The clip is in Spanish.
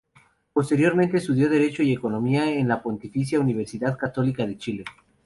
Posteriormente, estudió Derecho y Economía en la Pontificia Universidad Católica de Chile.